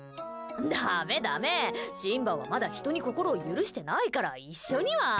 ダメダメ、シンバはまだ人に心を許してないから一緒には。